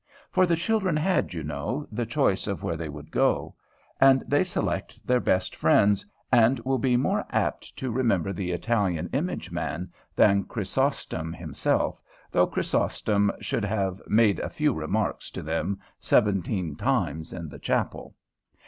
For the children had, you know, the choice of where they would go; and they select their best friends, and will be more apt to remember the Italian image man than Chrysostom himself, though Chrysostom should have "made a few remarks" to them seventeen times in the chapel.